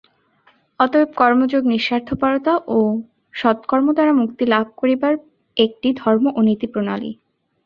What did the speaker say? অতএব কর্মযোগ নিঃস্বার্থপরতা ও সৎকর্ম দ্বারা মুক্তি লাভ করিবার একটি ধর্ম ও নীতিপ্রণালী।